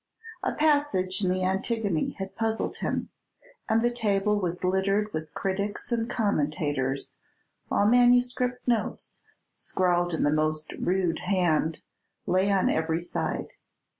A passage in the "Antigone" had puzzled him, and the table was littered with critics and commentators, while manuscript notes, scrawled in the most rude hand, lay on every side.